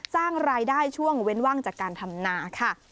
สร้างรายได้ช่วงเว้นว่างจากการทำนาค่ะ